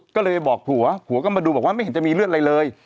ก็เลยไปบอกผัวผัวก็มาดูบอกว่าไม่เห็นจะมีเลือดอะไรเลย